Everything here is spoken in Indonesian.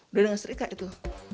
udah dengan setrika itu